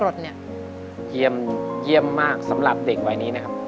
กรดเนี่ยเยี่ยมเยี่ยมมากสำหรับเด็กวัยนี้นะครับ